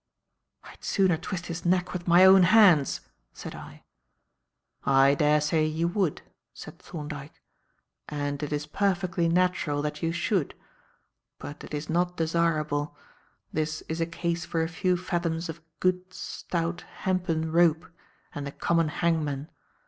"I'd sooner twist his neck with my own hands," said I. "I daresay you would," said Thorndyke, "and it is perfectly natural that you should. But it is not desirable. This is a case for a few fathoms of good, stout, hempen rope, and the common hangman.